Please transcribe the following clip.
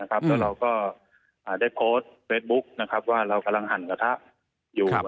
แล้วเราก็ได้โพสต์เฟซบุ๊คว่าเรากำลังหั่นกระทะอยู่